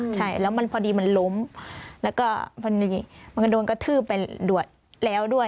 ใช่แล้วมันพอดีมันล้มแล้วก็พอดีมันก็โดนกระทืบไปด้วยแล้วด้วย